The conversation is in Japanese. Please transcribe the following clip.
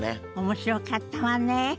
面白かったわねえ。